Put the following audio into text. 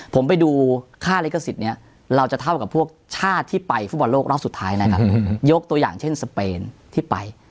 ผมไปดูค่าลิขสิทธิ์นี้เราจะเท่ากับพวกชาติที่ไปฟุตบอลโลกรอบสุดท้ายนะครับยกตัวอย่างเช่นสเปนที่ไป